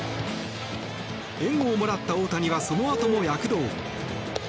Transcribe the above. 援護をもらった大谷はそのあとも躍動。